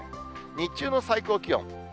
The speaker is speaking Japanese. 日中の最高気温。